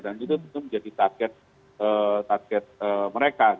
dan itu tentu menjadi target mereka